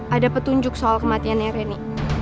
ada petunjuk soal kematiannya reni